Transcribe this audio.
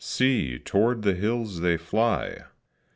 See, toward the hills they fly!